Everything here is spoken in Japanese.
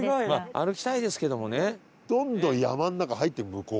歩きたいですけどもね。